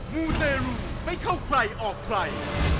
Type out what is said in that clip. มูเตรูไม่เข้าใครออกใคร